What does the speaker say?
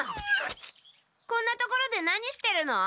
こんな所で何してるの？